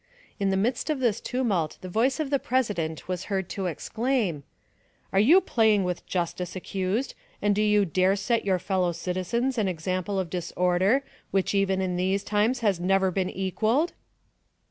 In the midst of this tumult the voice of the president was heard to exclaim: "Are you playing with justice, accused, and do you dare set your fellow citizens an example of disorder which even in these times has never been equalled?"